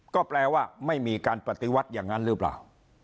ก็แปลว่าไม่มีการปฏิวัติอย่างนั้นหรือเปล่า